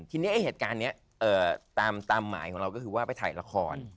ทีนี้ไอ้เหตุการณ์นี้ตามหมายของเราก็คือว่าไปถ่ายละคร